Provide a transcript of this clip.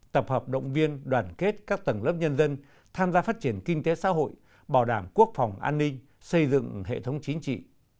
tập hợp động viên đoàn kết các tầng lớp nhân dân tham gia phát triển kinh tế xã hội bảo đảm quốc phòng an ninh xây dựng hệ thống chính trị